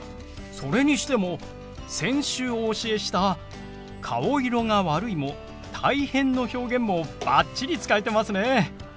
それにしても先週お教えした「顔色が悪い」も「大変」の表現もバッチリ使えてますね。